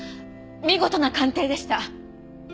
見事な鑑定でした。